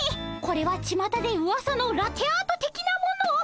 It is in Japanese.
これはちまたでうわさのラテアートてきなもの。